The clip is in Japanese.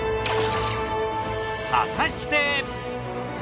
果たして。